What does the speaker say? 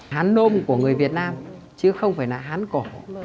hán nôm của người việt nam chứ không phải là hán cổ